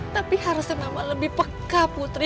tapi harusnya memang lebih peka putri